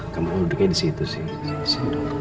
kamu duduknya disitu sih